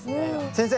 先生。